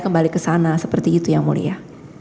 kembali ke sana seperti itu yang mulia